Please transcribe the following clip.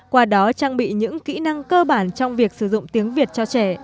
qua đó trang bị những kỹ năng cơ bản trong việc sử dụng tiếng việt cho trẻ